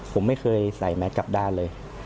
ผมไม่เคยใส่แมสกลับด้านเลย